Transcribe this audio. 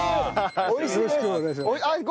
よろしくお願いします。